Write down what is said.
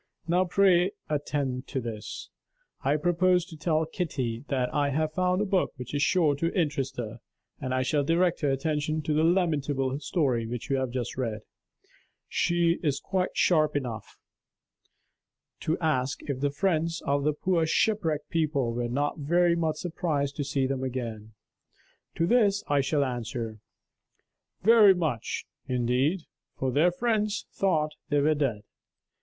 Now pray attend to this: I propose to tell Kitty that I have found a book which is sure to interest her; and I shall direct her attention to the lamentable story which you have just read. She is quite sharp enough (there are sparks of my intellectual fire in Kitty) to ask if the friends of the poor shipwrecked people were not very much surprised to see them again. To this I shall answer: 'Very much, indeed, for their friends thought they were dead.